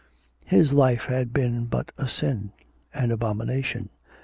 His life had been but a sin, an abomination.